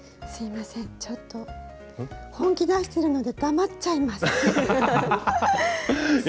すいませんちょっと本気出しているので黙っちゃいます。